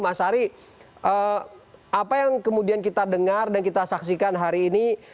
mas ari apa yang kemudian kita dengar dan kita saksikan hari ini